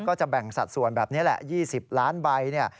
ก็จะแบ่งสัดส่วนแบบนี้แหละ๒๐ล้านใบเนี่ย